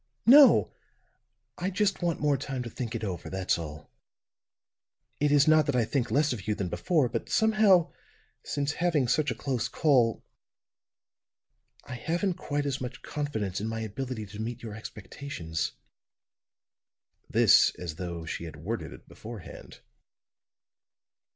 "No; I just want more time to think it over, that's all. It is not that I think less of you than before, but somehow, since having such a close call I haven't quite as much confidence in my ability to meet your expectations." This as though she had worded it beforehand.